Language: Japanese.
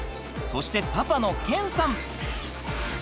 そしてパパの謙さん。